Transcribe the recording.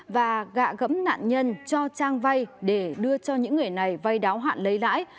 và gạ gẫm nạn nhân cho trang vay để đưa cho những người này vay đáo hạn lấy lãi